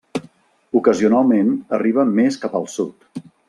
Ocasionalment arriba més cap al sud.